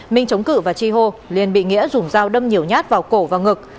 minh chống cử và chi hô liền bị nghĩa dùng dao đâm nhiều nhát vào cổ và ngực